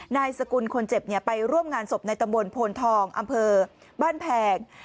นายสกุลคนเจ็บไปร่วมงานศพในตำบลโพนทองอำเภอบ้านแพง